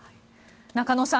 中野さん